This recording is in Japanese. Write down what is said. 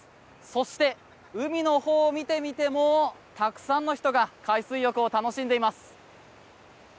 そして、海のほうを見てみてもたくさんの人が海水浴を楽しんでいます。